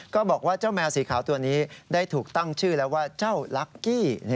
บอกว่าเจ้าแมวสีขาวตัวนี้ได้ถูกตั้งชื่อแล้วว่าเจ้าลักกี้